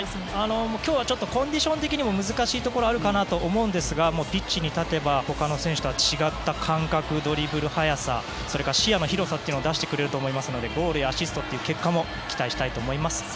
今日はコンディション的に難しいところはあると思うんですがピッチに立てば他の選手とは違った感覚ドリブル、速さ、視野の広さを出してくれると思いますからゴールやアシストという結果も期待したいと思います。